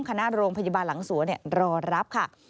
คณะโรงพยาบาลหลังสวนรอรับค่ะ